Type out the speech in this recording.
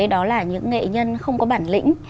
đó là những nghệ nhân không có bản lĩnh